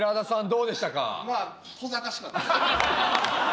どうでしたか？